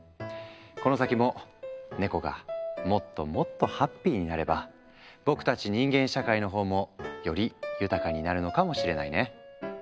この先もネコがもっともっとハッピーになれば僕たち人間社会のほうもより豊かになるのかもしれないね。